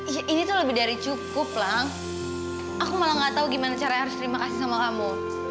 ya ini tuh lebih dari cukup lah aku malah gak tau gimana caranya harus terima kasih sama kamu